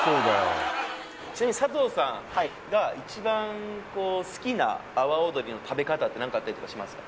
ちなみに佐藤さんが一番好きな阿波尾鶏の食べ方って何かあったりとかしますか？